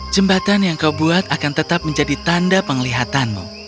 jembatan yang kau buat akan tetap menjadi tanda penglihatanmu